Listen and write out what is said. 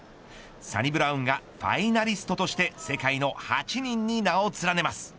サニブラウンがファイナリストとして世界の８人に名を連ねます。